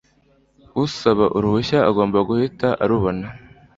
usaba uruhushya agomba guhita arubona